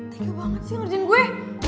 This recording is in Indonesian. tegel banget sih ngerjin gue